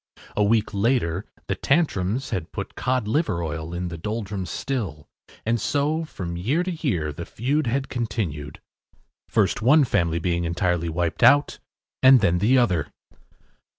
A week later the Tantrums had put Cod Liver Oil in the Doldrums’ still, and so, from year to year, the feud had continued, first one family being entirely wiped out, then the other.